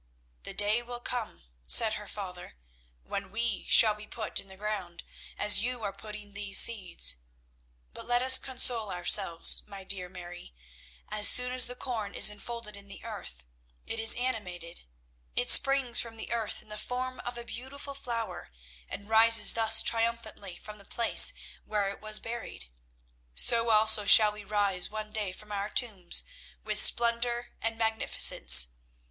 "The day will come," said her father, "when we shall be put in the ground, as you are putting these seeds. But let us console ourselves, my dear Mary. As soon as the corn is enfolded in the earth, it is animated. It springs from the earth in the form of a beautiful flower, and rises thus triumphantly from the place where it was buried. So also shall we rise one day from our tombs with splendour and magnificence.